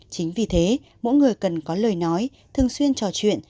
chính vì thế mỗi người cần có lời nói thường xuyên trò chuyện